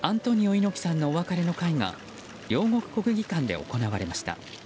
猪木さんのお別れの会が両国国技館で行われました。